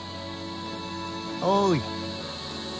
おい。